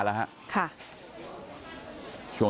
ต่อกัน